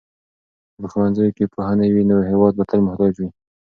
که په ښوونځیو کې پوهه نه وي نو هېواد به تل محتاج وي.